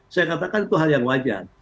saya katakan itu hal yang wajar